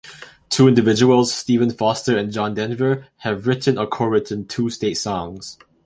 Two individuals, Stephen Foster, and John Denver, have written or co-written two state songs.